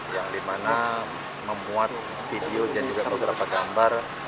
yang dimana memuat video dan juga beberapa gambar